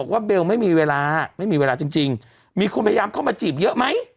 ว่าเบลไม่มีเวลาไม่มีเวลาจริงมีคนพยายามเข้ามาจีบเยอะไหม